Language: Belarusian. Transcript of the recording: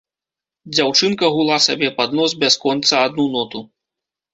Дзяўчынка гула сабе пад нос бясконца адну ноту.